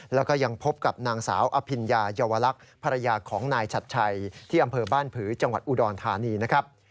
แล้วก็ยังพบกับนางสาวอภิญญาเยาวลักษณ์ภรรยาของนายชัดชัยที่อำเภอบ้านผือจังหวัดอุดรธานีนะครับ